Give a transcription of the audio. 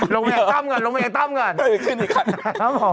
ลงมาให้ต้อมก่อน